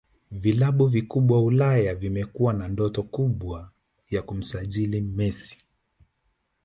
Vilabu vikubwa Ulaya vimekuwa na ndoto kubwa ya kumsajili Messi